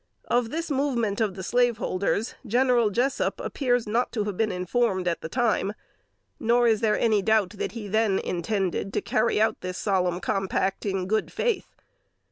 Of this movement of the slaveholders, General Jessup appears not to have been informed at the time; nor is there any doubt that he then intended to carry out this solemn compact in good faith.